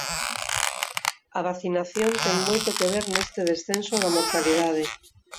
A vacinación ten moito que ver neste descenso da mortalidade.